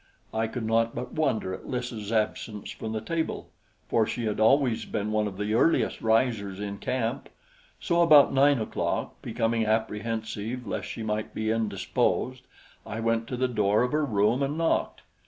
I could not but wonder at Lys' absence from the table, for she had always been one of the earliest risers in camp; so about nine o'clock, becoming apprehensive lest she might be indisposed, I went to the door of her room and knocked.